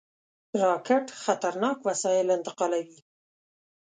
راکټ خطرناک وسایل انتقالوي